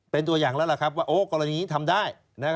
เป็นตัวอย่างแล้วล่ะครับว่ากรณีนี้ทำได้